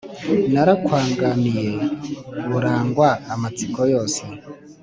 narakwanganiye burangwa amatsiko yose